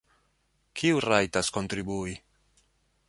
Kiu rajtas kontribui?